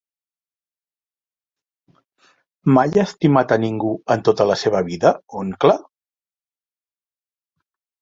Mai ha estimat a ningú en tota la seva vida, oncle?